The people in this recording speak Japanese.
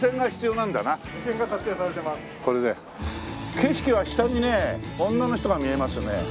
景色は下にね女の人が見えますね。